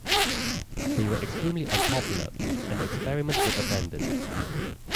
They were extremely unpopular, and the experiment was abandoned.